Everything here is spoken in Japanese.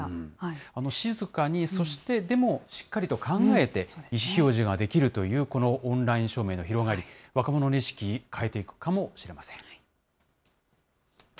静かにそしてでもしっかりと考えて、意思表示ができるという、このオンライン署名の広がり、若者の意識、変えていくかもしれません。